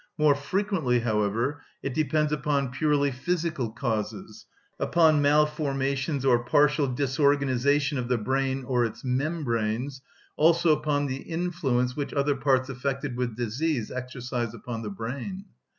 More frequently, however, it depends upon purely physical causes, upon malformations or partial disorganisation of the brain or its membranes, also upon the influence which other parts affected with disease exercise upon the brain.